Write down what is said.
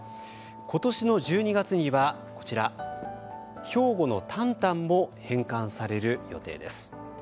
今年の１２月にはこちら、兵庫のタンタンも返還される予定です。